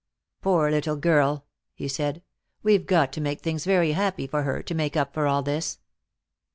"Poor little girl," he said. "We've got to make things very happy for her, to make up for all this!"